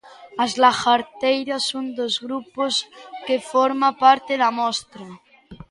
As Lagharteiras, un dos grupos que forma parte da Mostra.